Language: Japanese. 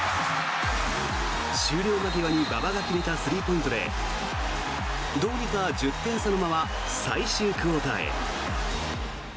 終了間際に馬場が決めたスリーポイントでどうにか１０点差のまま最終クオーターへ。